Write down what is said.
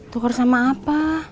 tukar sama apa